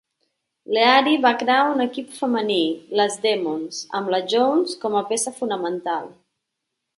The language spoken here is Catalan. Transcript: Leary va crear un equip femení, les Demons, amb la Jones com a peça fonamental.